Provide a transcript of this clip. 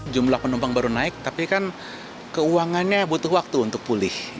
jumlah penumpang baru naik tapi kan keuangannya butuh waktu untuk pulih